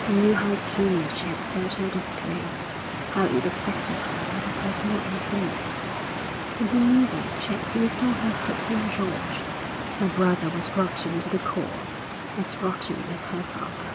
He knew how keenly she had felt her disgrace, how it affected her like a personal uncleanness, and he knew that she had placed all her hopes in George. Her brother was rotten to the core, as rotten as her father.